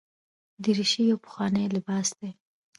دریشي یو پخوانی لباس دی.